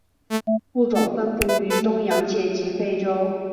物种分布于东洋界及非洲。